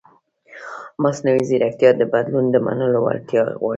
مصنوعي ځیرکتیا د بدلون د منلو وړتیا غواړي.